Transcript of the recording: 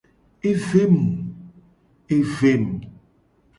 Evem.